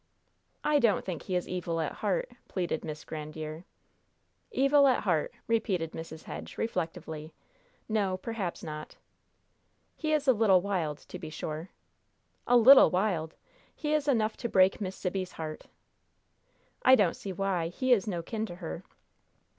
"I don't think he is evil at heart," pleaded Miss Grandiere. "'Evil at heart'" repeated Mrs. Hedge, reflectively. "No, perhaps not." "He is a little wild, to be sure." "'A little wild!' He is enough to break Miss Sibby's heart!" "I don't see why. He is no kin to her."